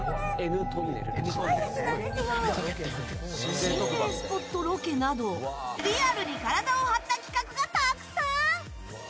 心霊スポットロケなどリアルに体を張った企画がたくさん。